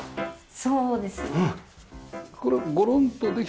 そうですね。